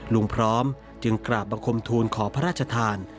พร้อมจึงกราบบังคมทูลขอพระราชทาน